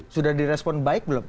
sudah direspon baik belum